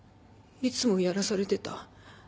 いつもやらされてた。